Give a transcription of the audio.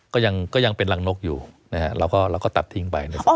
ก็ยังเป็นรังนกอยู่นะฮะเราก็ตัดทิ้งไป